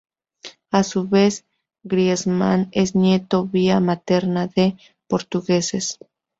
A su vez, Griezmann es nieto vía materna de portugueses.